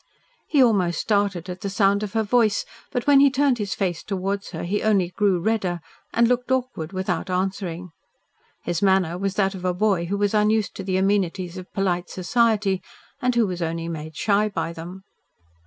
He almost started at the sound of her voice, but when he turned his face towards her he only grew redder, and looked awkward without answering. His manner was that of a boy who was unused to the amenities of polite society, and who was only made shy by them.